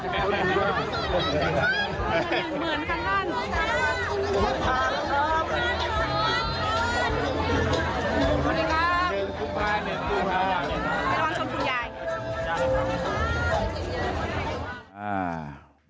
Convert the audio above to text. ระวังชมผู้ใหญ่